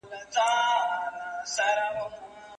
ایا څېړنه د علمي ژبي اړتیا لري؟